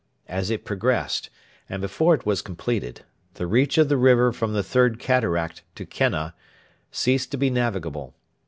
As it progressed, and before it was completed, the reach of the river from the Third Cataract to Kenna ceased to be navigable.